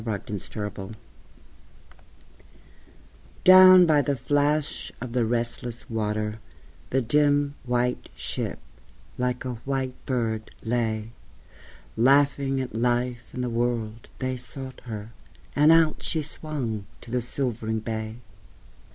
Ballade of a Ship Down by the flash of the restless water The dim White Ship like a white bird lay; Laughing at life and the world they sought her, And out she swung to the silvering bay.